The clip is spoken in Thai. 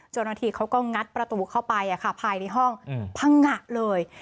จนหน้าทีเขาก็งัดประตูเข้าไปอ่ะค่ะภายในห้องอืมพังงะเลย